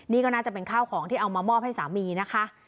นี่ก็น่าจะเป็นข้าวของที่เอามามอบให้สามีนะคะ